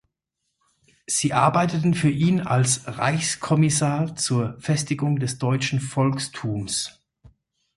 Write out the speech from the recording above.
Sie arbeiteten für ihn als "Reichskommissar zur Festigung des deutschen Volkstums".